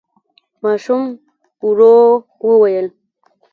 ماشوم ورو وويل: